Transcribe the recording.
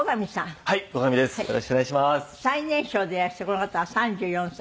最年少でいらしてこの方が３４歳。